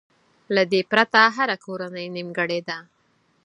له دې پرته هره کورنۍ نيمګړې ده.